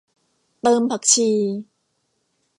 เติมผักชี